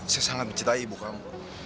saya sangat mencintai ibu kamu